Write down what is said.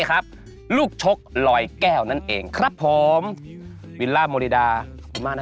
ครับลูกชกลอยแก้วนั่นเองครับผมวิลล่าโมริดามานะ